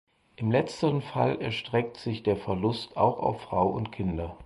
Im letzteren Fall erstreckt sich der Verlust auch auf Frau und Kinder.